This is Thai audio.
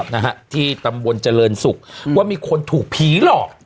นะฮะที่ตำบลเจริญศุกร์ว่ามีคนถูกผีหลอก